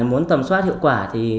muốn tầm soát hiệu quả